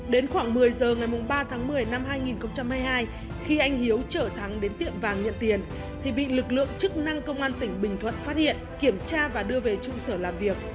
đến khoảng một mươi giờ ngày ba tháng một mươi năm hai nghìn hai mươi hai khi anh hiếu chở thắng đến tiệm vàng nhận tiền thì bị lực lượng chức năng công an tỉnh bình thuận phát hiện kiểm tra và đưa về trụ sở làm việc